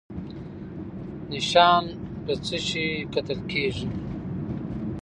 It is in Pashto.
نشان په څه شي ګټل کیږي؟